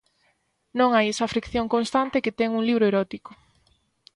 Non hai esa fricción constante que ten un libro erótico.